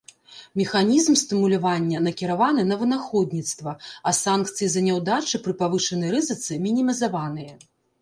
Механізм стымулявання накіраваны на вынаходніцтва, а санкцыі за няўдачы пры павышанай рызыцы мінімізаваныя.